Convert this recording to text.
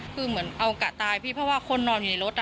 คือเหมือนเอากะตายพี่เพราะว่าคนนอนอยู่ในรถ